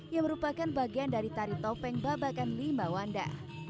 yang merupakan bagian dari tari topeng babakan lima wanda